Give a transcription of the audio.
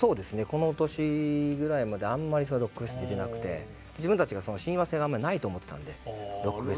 この年ぐらいまであんまりロックフェス出てなくて自分たちがその親和性があまりないと思ってたのでロックフェスに。